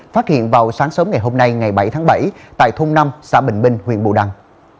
phát hiện vào sáng sớm ngày hôm nay ngày bảy tháng bảy tại thôn năm xã bình minh huyện bù đăng